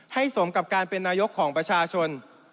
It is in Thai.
สมกับการเป็นนายกของประชาชน